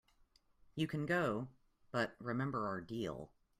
You can go, but remember our deal.